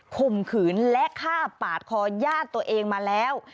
ข่มขืนและฆ่าปาดคอญาติตัวเองมาแล้ว